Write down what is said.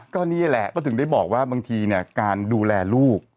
ก็นี่แหละก็ถึงได้บอกว่าบางทีการดูแลลูก